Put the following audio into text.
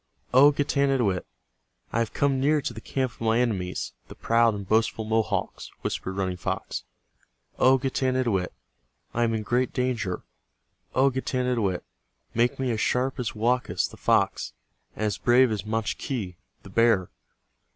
"O Getanittowit, I have come near to the camp of my enemies, the proud and boastful Mohawks," whispered Running Fox. "O Getanittowit, I am in great danger. O Getanittowit, make me as sharp as Woakus, the fox, and as brave as Machque, the bear.